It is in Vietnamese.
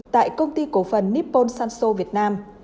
tại công ty cổ phần nippon sanzo việt nam